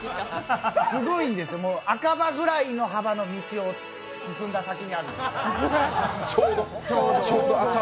すごいんです、もう、赤羽ぐらいの幅の道を進んだ先にあるんです。